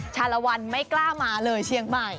ชาลวันไม่กล้ามาเลยเชียงใหม่